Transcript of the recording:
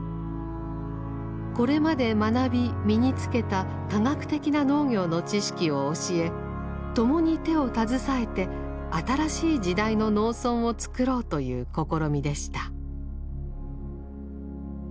これまで学び身に付けた科学的な農業の知識を教え共に手を携えて新しい時代の農村をつくろうという試みでした。